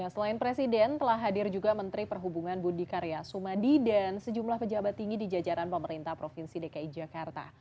selain presiden telah hadir juga menteri perhubungan budi karya sumadi dan sejumlah pejabat tinggi di jajaran pemerintah provinsi dki jakarta